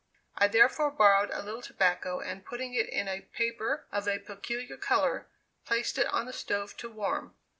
I therefore borrowed a little tobacco, and putting it in a paper of a peculiar color, placed it on the stove to warm.